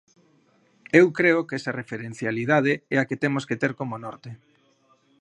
Eu creo que esa referencialidade é a que temos que ter como norte.